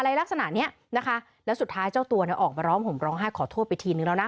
ลักษณะเนี้ยนะคะแล้วสุดท้ายเจ้าตัวเนี่ยออกมาร้องห่มร้องไห้ขอโทษไปทีนึงแล้วนะ